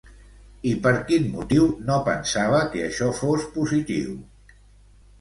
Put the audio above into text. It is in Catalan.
I per quin motiu no pensava que això fos positiu?